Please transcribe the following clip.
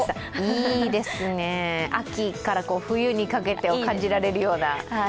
いいですね、秋から冬にかけてを感じられるような。